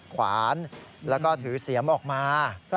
ขวานแล้วก็ถือเสียมออกมา